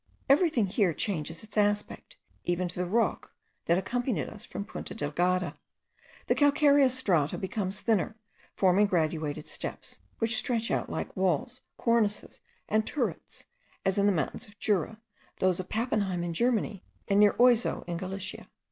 Everything here changes its aspect, even to the rock that accompanied us from Punta Delgada. The calcareous strata becomes thinner, forming graduated steps, which stretch out like walls, cornices, and turrets, as in the mountains of Jura, those of Pappenheim in Germany, and near Oizow in Galicia.